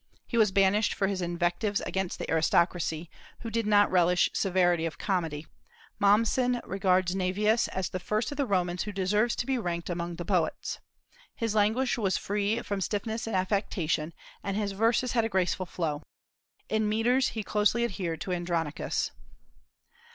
He was banished for his invectives against the aristocracy, who did not relish severity of comedy. Mommsen regards Naevius as the first of the Romans who deserves to be ranked among the poets. His language was free from stiffness and affectation, and his verses had a graceful flow. In metres he closely adhered to Andronicus.